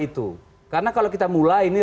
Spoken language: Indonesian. itu karena kalau kita mulai ini